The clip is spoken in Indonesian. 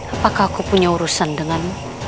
apakah aku punya urusan dengan